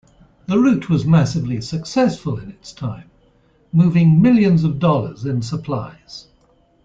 The route was massively successful its time, moving millions of dollars in supplies.